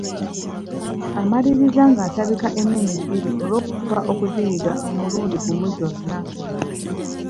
Amaliriza ng’atabika ennimi bbiri olw’okufuba okuziyiga omulundi gumu zonna.